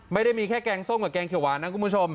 ไม่ได้มีแค่แกงส้มกับแกงเขียวหวานนะคุณผู้ชม